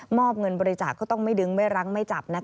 อบเงินบริจาคก็ต้องไม่ดึงไม่รั้งไม่จับ